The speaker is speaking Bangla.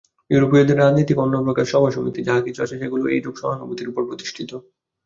ইউরোপীয়দের রাজনীতিক ও অন্যপ্রকার সভাসমিতি যাহা কিছু আছে, সেগুলি এইরূপ সহানুভূতির উপর প্রতিষ্ঠিত।